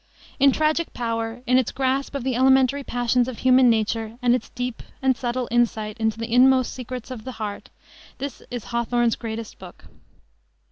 In tragic power, in its grasp of the elementary passions of human nature and its deep and subtle insight into the inmost secrets of the heart, this is Hawthorne's greatest book.